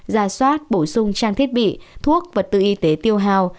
ra soát bổ sung trang thiết bị thuốc vật tư y tế tiêu hào